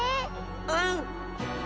うん。